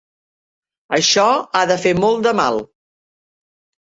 Això ha de fer molt de mal.